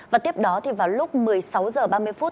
và tiếp đó vào lúc một mươi sáu h ba mươi